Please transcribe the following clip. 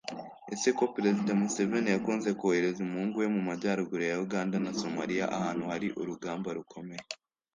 Ese ko Perezida Museveni yakunze kohereza umuhungu we mu majyaruguru ya Uganda na Somalia ahantu hari urugamba rukomeye